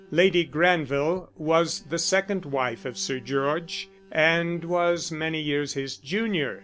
Lady Granville was the second wife of Sir George, and was many years his junior.